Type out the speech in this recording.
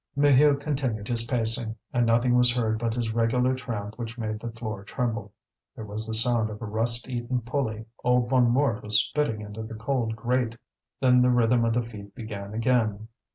Maheu continued his pacing, and nothing was heard but his regular tramp which made the floor tremble. There was the sound of a rust eaten pulley; old Bonnemort was spitting into the cold grate. Then the rhythm of the feet began again.